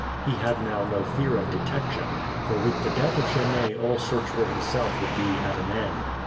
He had now no fear of detection, for with the death of Genet all search for himself would be at an end.